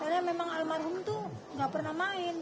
karena memang almarhum itu nggak pernah main